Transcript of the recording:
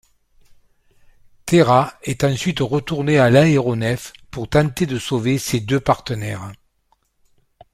Taira est ensuite retourné à l'aéronef pour tenter de sauver ses deux partenaires.